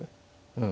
うん。